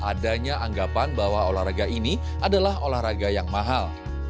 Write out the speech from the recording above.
adanya anggapan bahwa olahraga ini adalah olahraga yang mahal